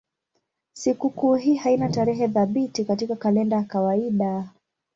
Sikukuu hii haina tarehe thabiti katika kalenda ya kawaida.